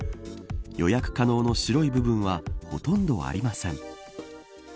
予約可能の白い部分はほとんどありません。